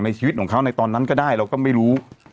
ชีวิตของเขาในตอนนั้นก็ได้เราก็ไม่รู้